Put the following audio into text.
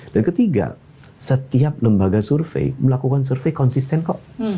dan ketiga setiap lembaga survei melakukan survei konsisten kok